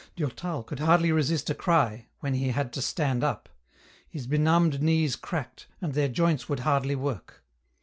Durtal could hardly resist a cry, when he had to stand up ; his benumbed knees cracked, and their joints would hardly work.